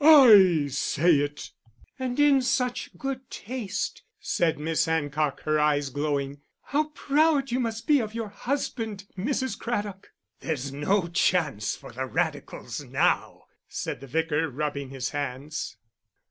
I say it." "And in such good taste," said Miss Hancock, her eyes glowing. "How proud you must be of your husband, Mrs. Craddock!" "There's no chance for the Radicals now," said the Vicar, rubbing his hands.